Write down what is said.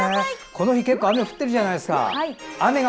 この日結構雨降ってるじゃないですか。